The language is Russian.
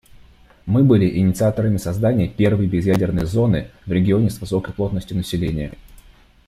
Мы были инициаторами создания первой безъядерной зоны в регионе с высокой плотностью населения.